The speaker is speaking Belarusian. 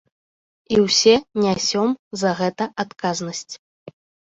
І ўсе нясём за гэта адказнасць.